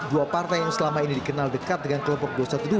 dua partai yang selama ini dikenal dekat dengan kelompok dua ratus dua belas